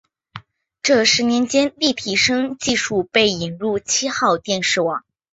这十年间立体声技术被引入七号电视网。